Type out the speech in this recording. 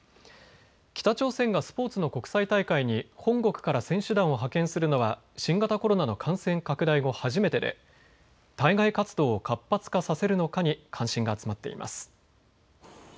北朝鮮がスポーツの国際大会に本国から選手団を派遣するのは新型コロナの感染拡大後初めてで対外活動を活発化させるのかに関心が集まっています。